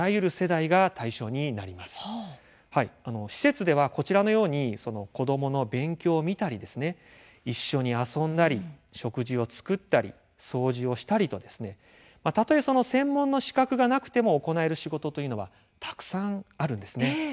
施設ではこちらのように子どもの勉強を見たりですね一緒に遊んだり食事を作ったり掃除をしたりとですねたとえその専門の資格がなくても行える仕事というのはたくさんあるんですね。